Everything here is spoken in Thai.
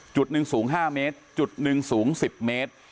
จุดหนึ่งสูง๕เมตรจุดหนึ่งสูง๑๐เมตร